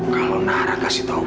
kalau nara kasih tau